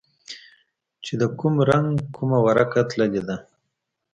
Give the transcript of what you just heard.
چې د کوم رنگ کومه ورقه تللې ده.